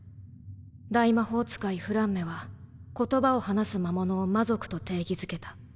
大魔法使いフランメは言葉を話す魔物を魔族と定義付けた。